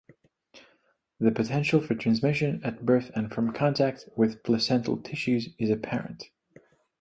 The potential for transmission at birth and from contact with placental tissues is apparent.